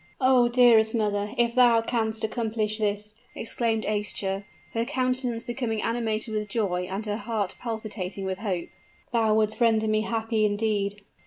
"Oh! dearest mother, if thou canst accomplish this," exclaimed Aischa, her countenance becoming animated with joy and her heart palpitating with hope, "thou wouldst render me happy indeed."